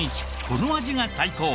この味が最高！